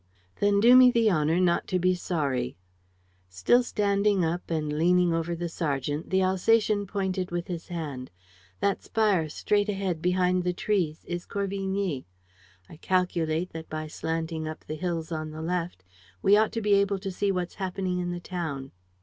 "Then do me the honor not to be sorry." Still standing up and leaning over the sergeant, the Alsatian pointed with his hand: "That spire straight ahead, behind the trees, is Corvigny. I calculate that, by slanting up the hills on the left, we ought to be able to see what's happening in the town."